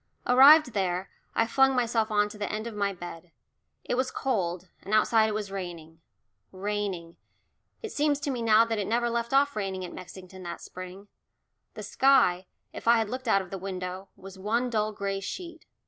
Arrived there, I flung myself on to the end of my bed. It was cold, and outside it was raining, raining it seems to me now that it never left off raining at Mexington that spring; the sky, if I had looked out of the window, was one dull gray sheet.